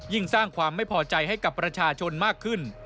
สร้างความไม่พอใจให้กับประชาชนมากขึ้น